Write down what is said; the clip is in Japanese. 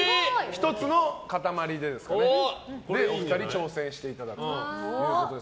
１つの塊で、お二人挑戦していただくということです。